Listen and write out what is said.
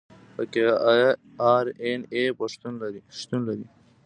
پکې آر این اې شتون لري.